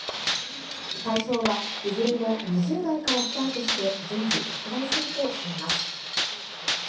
対象は、いずれも２０代からスタートして、順次、拡大するとしています。